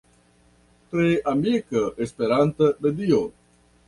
Tre amika Esperanta medio.